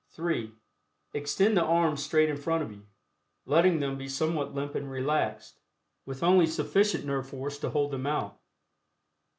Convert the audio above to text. (3) Extend the arms straight in front of you, letting them be somewhat limp and relaxed, with only sufficient nerve force to hold them out.